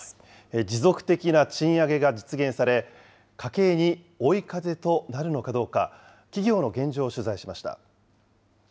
持続的な賃上げが実現され、家計に追い風となるのかどうか、企業の現状を取材しました。